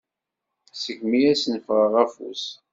Segmi asen-ffɣeɣ afus.